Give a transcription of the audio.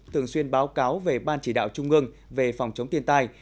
thường xuyên báo cáo về ban chỉ đạo trung ương về phòng chống thiên tai